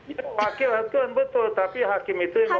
ya wakil tuhan betul tapi hakim itu yang memutus